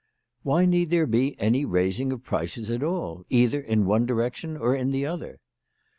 Why need there be any raising of prices at all, either in one direction or in the other?